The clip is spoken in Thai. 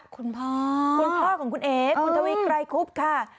คุณพ่อคุณพ่อของคุณเอ๋คุณทวีไกรคุบค่ะ